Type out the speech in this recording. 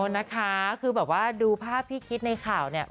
นะคะคือแบบว่าดูภาพที่คิดในข่าวเนี่ย